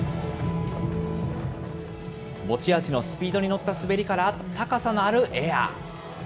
持ち味のスピードに乗った滑りから、高さのあるエア。